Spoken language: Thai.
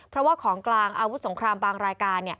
เพราะว่าของกลางอาวุธสงครามบางรายการ